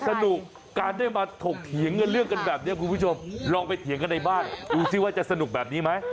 สนุกการได้มาถกเถียงกันเรื่องกันแบบนี้คุณผู้ชมลองไปเถียงกันในบ้านดูสิว่าจะสนุกแบบนี้ไหม